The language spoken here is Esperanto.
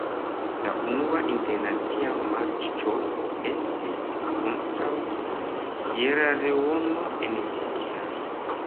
La unua internacia matĉo estis kontraŭ Sieraleono en tiu jaro.